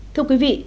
thưa quý vị